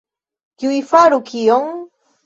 Kiuj faru kion?